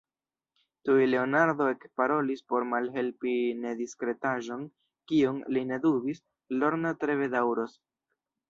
Tuj Leonardo ekparolis por malhelpi nediskretaĵon, kiun, li ne dubis, Lorna tre bedaŭrus: